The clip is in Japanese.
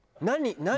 何？